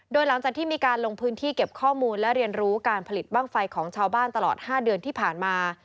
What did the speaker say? โดยหลังจากที่มีการลงพื้นที่เก็บข้อมูลและเรียนรู้การผลิตบ้างไฟของชาวบ้านตลอด๕เดือนที่ผ่านมา